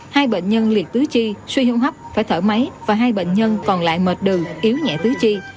hai bệnh nhân liệt tứ chi suy hô hấp phải thở máy và hai bệnh nhân còn lại mệt đường yếu nhẹ tứ chi